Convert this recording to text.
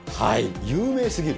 有名すぎる。